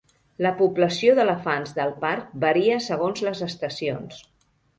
La població d'elefants del parc varia segons les estacions.